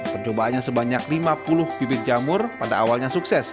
percobaannya sebanyak lima puluh bibit jamur pada awalnya sukses